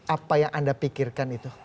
apa yang anda pikirkan itu